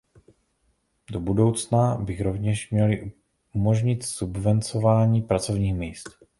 Do budoucna bych rovněž měli umožnit subvencování pracovních míst.